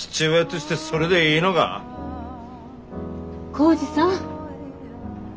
耕治さん。